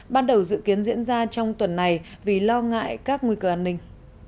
ban đầu dự kiến diễn ra trong tuần này vì lo ngại các nguy cơ an ninh